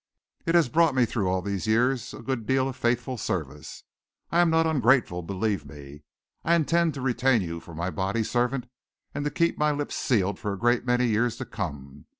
It has bought me through all these years a good deal of faithful service. I am not ungrateful, believe me. I intend to retain you for my body servant and to keep my lips sealed, for a great many years to come.